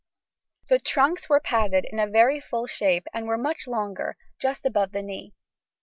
The trunks were padded in a very full shape and were much longer, just above the knee.